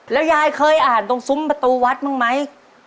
แล้วยายเคยอ่านตรงซุ้มประตูวัดบ้างไหม